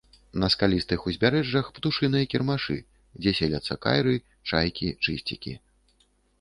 На скалістых узбярэжжах птушыныя кірмашы, дзе селяцца кайры, чайкі, чысцікі.